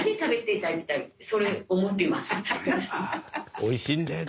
おいしいんだよね